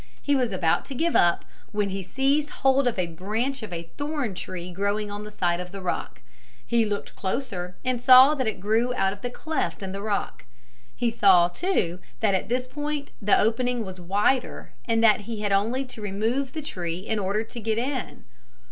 He was about to give up, when he seized hold of a branch of a thorn tree growing on the side of the rock. He looked closer and saw that it grew out of the cleft in the rock. He saw, too, that at this point the opening was wider and that he had only to remove the tree in order to get in.